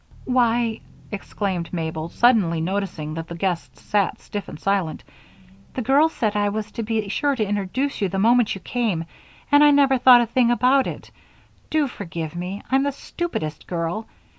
"Why," exclaimed Mabel, suddenly noticing that the guests sat stiff and silent, "the girls said I was to be sure to introduce you the moment you came, and I never thought a thing about it. Do forgive me I'm the stupidest girl.